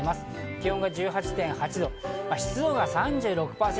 気温が１８．８度、湿度が３６％。